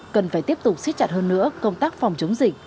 nên phải tiếp tục xét chặt hơn nữa công tác phòng chống dịch